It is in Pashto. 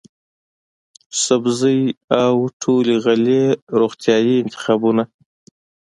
سبزۍ او ټولې غلې روغتیايي انتخابونه،